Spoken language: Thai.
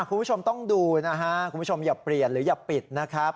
คุณผู้ชมต้องดูนะฮะคุณผู้ชมอย่าเปลี่ยนหรืออย่าปิดนะครับ